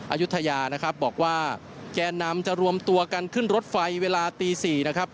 อายุทยานะครับบอกว่าแกนนำจะรวมตัวกันขึ้นรถไฟเวลาตี๔นะครับ